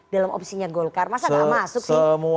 dalam opsinya golkar masa gak masuk sih